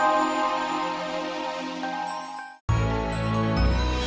yang tersebut adalah besar kali